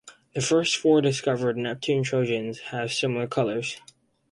The first four discovered Neptune trojans have similar colors.